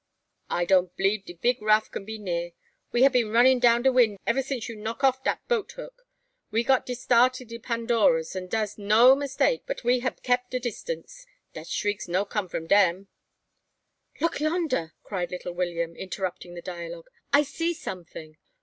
"A don't blieb de big raff can be near. We hab been runnin' down de wind ebba since you knock off dat boat hook. We got de start o' de Pandoras; an' dar's no mistake but we hab kep de distance. Dat s'riek no come from dem." "Look yonder!" cried little William, interrupting the dialogue. "I see something."